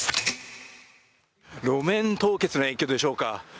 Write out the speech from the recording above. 路面凍結の影響でしょうか。